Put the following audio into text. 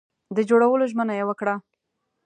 د جوړولو ژمنه یې وکړه.